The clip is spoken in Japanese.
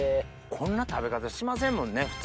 こんな食べ方しませんもんね普通。